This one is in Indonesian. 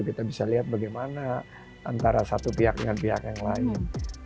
kita bisa lihat bagaimana antara satu pihak dengan pihak yang lain